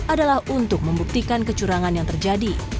adalah untuk membuktikan kecurangan yang terjadi